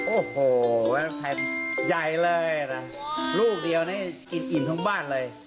โอ้โหแผ่นใหญ่เลยนะลูกเดียวนี่อิ่มทั้งบ้านเลย